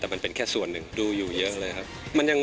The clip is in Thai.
แต่มันเป็นแค่ส่วนหนึ่งดูอยู่เยอะเลยครับ